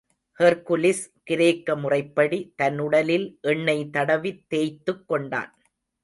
Hercules, கிரேக்க முறைப்படி, தன் உடலில் எண்ணெய் தடவித் தேய்த் துக்கொண்டான்.